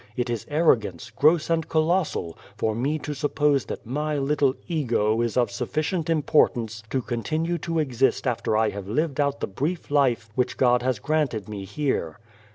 It is arrogance, gross and colossal, for me to suppose that my little ego is of sufficient importance to continue to exist after I have lived out the brief life which God has granted me here.